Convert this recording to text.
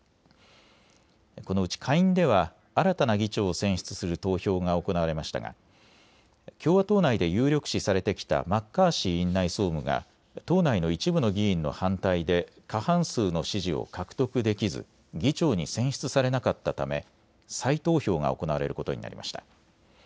このうち下院では新たな議長を選出する投票が行われましたが共和党内で有力視されてきたマッカーシー院内総務が党内の一部の議員の反対で過半数の支持を獲得できず、議長に選出されなかったため再投票が行われることになりました。